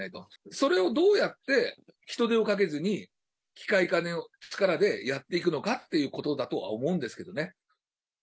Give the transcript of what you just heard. それをどうやって人出をかけずに、機械化の力でやっていくのかということだとは思うんですけどね。